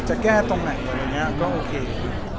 จะแก้ตรงไหนอะไรอย่างนี้ก็โอเค